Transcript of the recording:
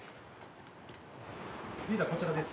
リーダー、こちらです。